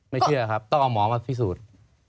เชื่อครับต้องเอาหมอมาพิสูจน์